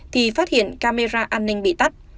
thì phát hiện camera an ninh bị tắt